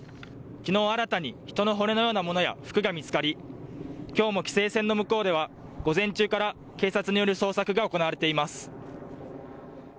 きのう新たに人の骨のようなものや服が見つかりきょうも規制線の向こうでは午前中から警察による捜索が行われています。